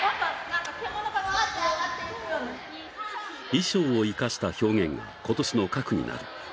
衣装を生かした表現が今年の核になる。